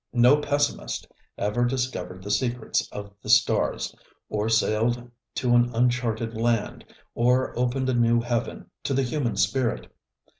No pessimist ever discovered the secrets of the stars, or sailed to an uncharted land, or opened a new heaven to the human spirit.